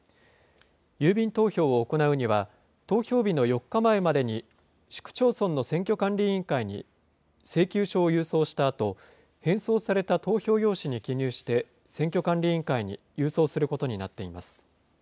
郵便投票を行うには、投票日の４日前までに、市区町村の選挙管理委員会に請求書を郵送したあと、返送された投票用紙に記入して、選挙管理委員会に郵送することになっています。